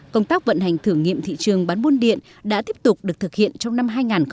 công tác vận hành thử nghiệm thị trường bán buôn điện đã tiếp tục được thực hiện trong năm hai nghìn hai mươi